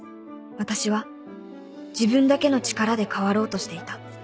私は自分だけの力で変わろうとしていた